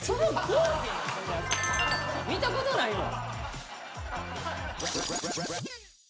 見たことないもん！